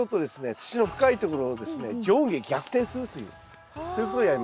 土の深いところをですね上下逆転するというそういうことをやります。